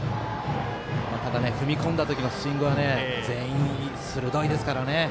踏み込んだ時のスイングは全員、鋭いですからね。